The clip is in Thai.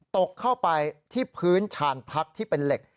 ตกเข้าไปที่พื้นชานพักที่เป็นเหล็ก